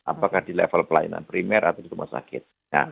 apakah di level pelayanan primer atau di rumah sakit